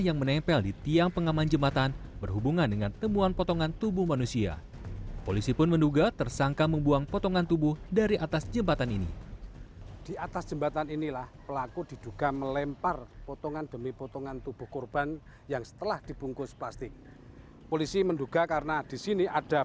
yang diduga merupakan bercak darah dari korban